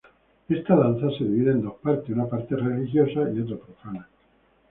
Esta danza se divide en dos partes, una parte religiosa y otra profana.